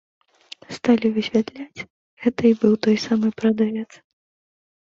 Сталі высвятляць, гэта і быў той самы прадавец.